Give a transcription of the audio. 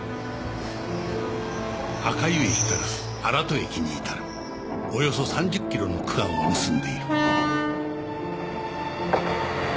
赤湯駅から荒砥駅に至るおよそ３０キロの区間を結んでいる